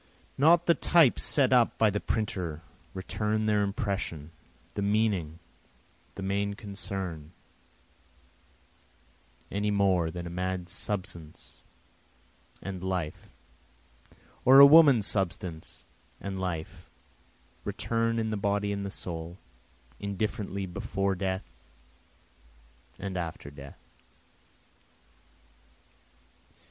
Not the types set up by the printer return their impression, the meaning, the main concern, Any more than a man's substance and life or a woman's substance and life return in the body and the soul, Indifferently before death and after death.